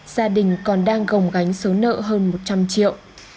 gia đình còn đang gồng gánh số nợ hơn một trăm linh triệu